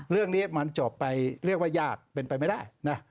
เรื่องนี้มันจบไปเรียกว่ายากเป็นไปไม่ได้นะ